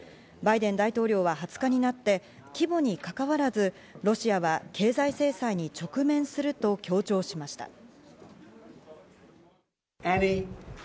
バイデン大統領は２０日になって規模にかかわらず、ロシアは経済制裁に直面すると強調しました。